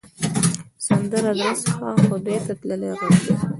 سندره د زړه څخه خدای ته تللې غږ ده